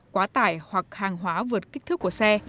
quá tải hoặc hàng hóa vượt kích thước của xe